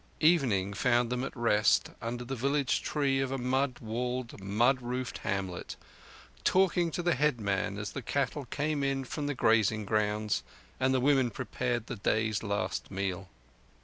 Evening found them at rest under the village tree of a mud walled, mud roofed hamlet, talking to the headman as the cattle came in from the grazing grounds and the women prepared the day's last meal.